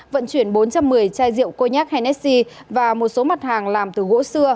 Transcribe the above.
vận chuyển bốn trăm một mươi chai rượu co nhác hennessi và một số mặt hàng làm từ gỗ xưa